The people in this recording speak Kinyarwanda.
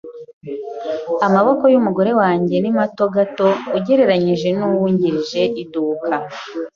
Amaboko yumugore wanjye ni mato gato ugereranije nuwungirije iduka.